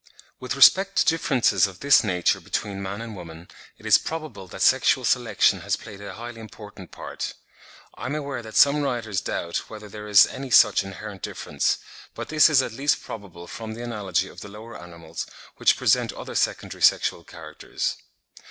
With respect to differences of this nature between man and woman, it is probable that sexual selection has played a highly important part. I am aware that some writers doubt whether there is any such inherent difference; but this is at least probable from the analogy of the lower animals which present other secondary sexual characters.